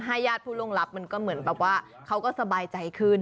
ญาติผู้ล่วงลับมันก็เหมือนแบบว่าเขาก็สบายใจขึ้น